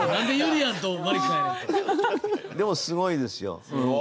でもすごいですよ。